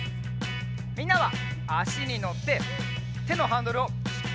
みんなはあしにのっててのハンドルをしっかりにぎって！